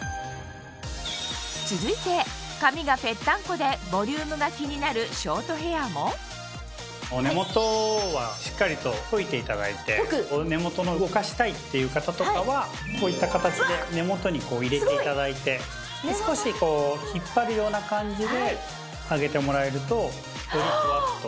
続いて髪がぺったんこでボリュームが気になるショートヘアも根元を動かしたいっていう方とかはこういった形で根元に入れていただいて少し引っ張るような感じで上げてもらえるとよりフワっと。